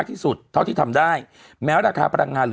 พี่เจี๊ยบเรียบด่วนอะหรอ